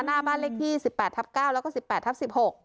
หน้าบ้านเลขที่๑๘ทับ๙แล้วก็๑๘ทับ๑๖